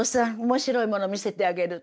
面白いもの見せてあげる」。